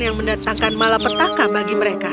yang mendatangkan mala petaka bagi mereka